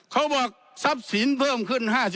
เขาบอกทรัพย์สินเพิ่มขึ้น๕๐